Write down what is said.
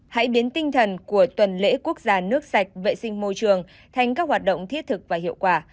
hãy biến tinh thần của tuần lễ quốc gia nước sạch vệ sinh môi trường thành các hoạt động thiết thực và hiệu quả